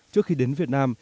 trước khi đến việt nam